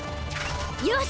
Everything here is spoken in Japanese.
よし！